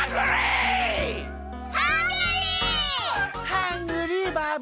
ハングリーバブ。